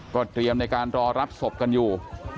เตรียมในการรอรับศพกันอยู่